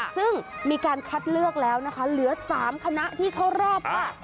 ซึ่งมีการคัดเลือกแล้วนะคะเหลือ๓คณะที่เข้ารอบค่ะ